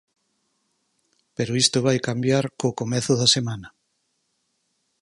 Pero isto vai cambiar co comezo da semana.